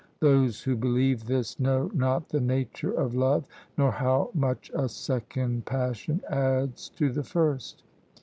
Those who believe this know not the nature of love, nor how much a second passion adds to the first.